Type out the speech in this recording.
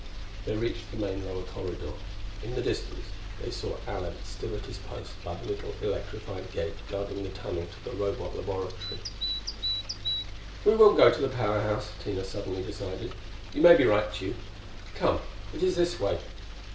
They reached the main lower corridor. In the distance they saw Alent still at his post by the little electrified gate guarding the tunnel to the Robot laboratory. "We will go to the Power House," Tina suddenly decided: "you may be right, Tugh.... Come, it is this way.